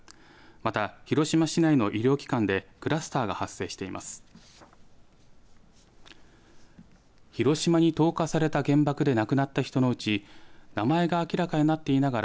また、広島市内の医療機関でクラスターが発生しています。